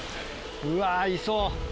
うわいそう。